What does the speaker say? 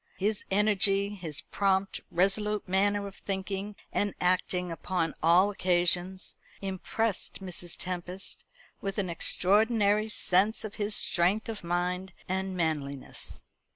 His energy, his prompt, resolute manner of thinking and acting upon all occasions, impressed Mrs. Tempest with an extraordinary sense of his strength of mind and manliness.